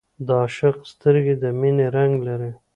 د عاشق سترګې د مینې رنګ لري